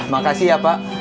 makasih ya pak